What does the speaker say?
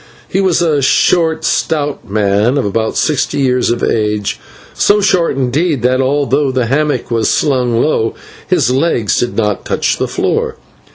He was a short stout man of about sixty years of age so short indeed that, although the hammock was slung low, his legs did not touch the floor.